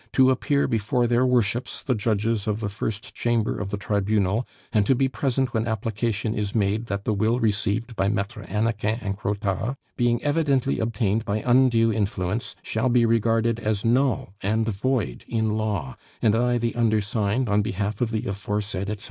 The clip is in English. to appear before their worships the judges of the first chamber of the Tribunal, and to be present when application is made that the will received by Maitres Hannequin and Crottat, being evidently obtained by undue influence, shall be regarded as null and void in law; and I, the undersigned, on behalf of the aforesaid, etc.